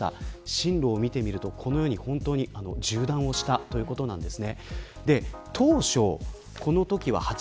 進路を見てみると、このように縦断をしたということです。